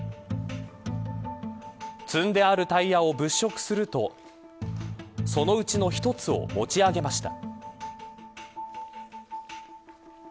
積んであるタイヤを物色するとそのうちの一つを持ち上げました。